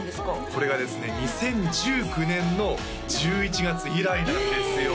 これがですね２０１９年の１１月以来なんですよ